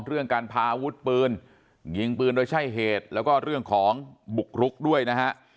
เรื่องการพาอาวุธปืนยิงปืนโดยใช้เหตุแล้วก็เรื่องของบุกรุกด้วยนะฮะ